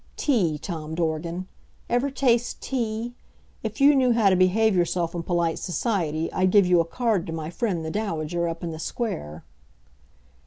Tea, Tom Dorgan. Ever taste tea? If you knew how to behave yourself in polite society, I'd give you a card to my friend, the Dowager, up in the Square.